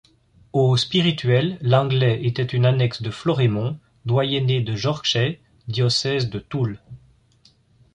Au spirituel, Langley était une annexe de Florémont, doyenné de Jorxey, diocèse de Toul.